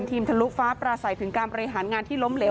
ทะลุฟ้าปราศัยถึงการบริหารงานที่ล้มเหลว